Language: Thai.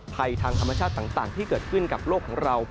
ภัยทางธรรมชาติต่างที่เกิดขึ้นกับโลกของเรา